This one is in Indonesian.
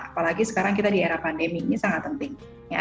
apalagi sekarang kita di era pandemi ini sangat penting